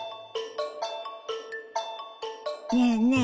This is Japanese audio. ねえねえ